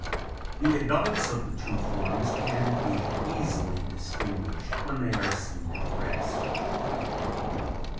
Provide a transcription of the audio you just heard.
The adults of the two forms can be easily distinguished when they are seen at rest.